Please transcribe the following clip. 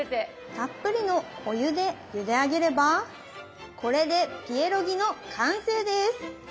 たっぷりのお湯でゆで上げればこれでピエロギの完成です！